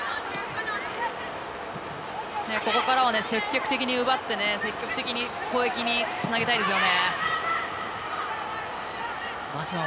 ここからは積極的に奪って積極的に攻撃につなげたいですよね。